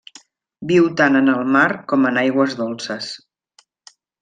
Viu tant en el mar com en aigües dolces.